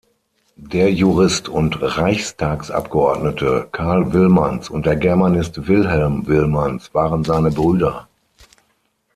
Der Jurist und Reichstagsabgeordnete Karl Wilmanns und der Germanist Wilhelm Wilmanns waren seine Brüder.